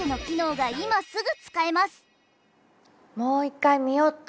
もう一回見よっと！